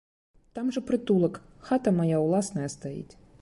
Там жа прытулак, хата мая ўласная стаіць.